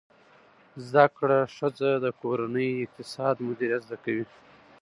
زده کړه ښځه د کورني اقتصاد مدیریت زده کوي.